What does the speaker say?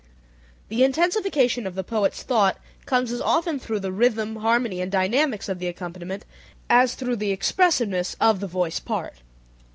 This intensification of the poet's thought comes as often through the rhythm, harmony, and dynamics of the accompaniment as through the expressiveness of the voice part.